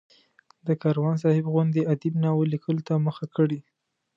د کاروان صاحب غوندې ادیب ناول لیکلو ته مخه کړي.